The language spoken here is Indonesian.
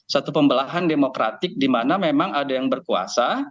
satu pembelahan demokratik di mana memang ada yang berkuasa